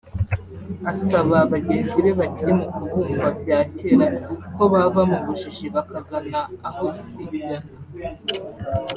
Asaba bagenzi be bakiri mu kubumba bya kera ko bava mu bujiji bakagana aho Isi igana